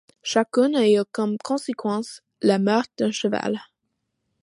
Chacun a eu comme conséquence la mort d'un cheval.